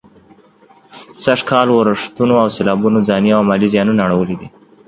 سږ کال ورښتونو او سېلابونو ځاني او مالي زيانونه اړولي دي.